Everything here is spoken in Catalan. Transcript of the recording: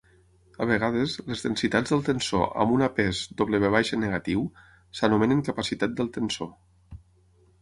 A vegades, les densitats del tensor amb una pes "W" negatiu s'anomenen capacitat del tensor.